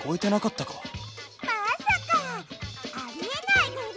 まさか！ありえないぐり！